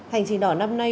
hành trình đỏ năm nay